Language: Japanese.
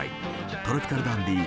「トロピカル・ダンディー」